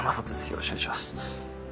よろしくお願いします。